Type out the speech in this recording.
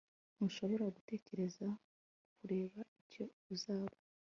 Ntushobora gutegereza kureba icyo uzaba